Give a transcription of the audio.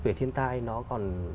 về thiên tai nó còn